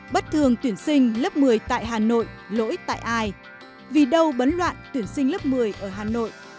bất thường tuyển sinh lớp một mươi tại hà nội lỗi tại ai vì đâu bấn loạn tuyển sinh lớp một mươi ở hà nội